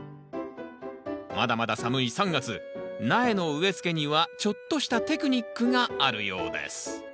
まだまだ寒い３月苗の植えつけにはちょっとしたテクニックがあるようです